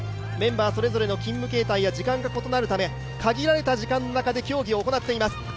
メンバーそれぞれの勤務形態や時間が異なるため、限られた時間の中で競技を行っています。